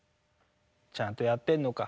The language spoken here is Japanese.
「ちゃんとやってんのか。